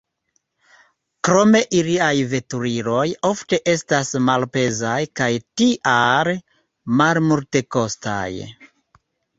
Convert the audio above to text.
Krome iliaj veturiloj ofte estas malpezaj kaj tial malmultekostaj.